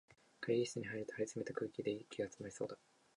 会議室に入ると、張りつめた空気で息がつまりそうだ